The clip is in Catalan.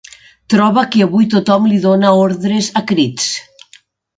Troba que avui tothom li dóna ordres a crits.